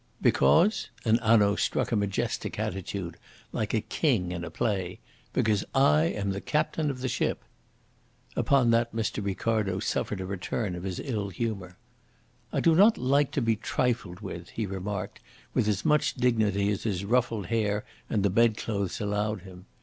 "Because" and Hanaud struck a majestic attitude, like a king in a play "because I am the captain of the ship." Upon that Mr. Ricardo suffered a return of his ill humour. "I do not like to be trifled with," he remarked, with as much dignity as his ruffled hair and the bed clothes allowed him.